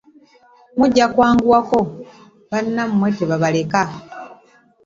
Mujja kwanguwako bannammwe tebabaleka.